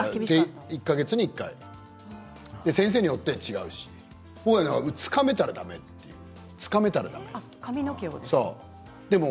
１か月に１回先生によって違うしつかめたらだめというね。